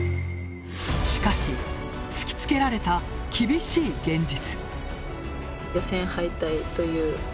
しかし、突きつけられた厳しい現実。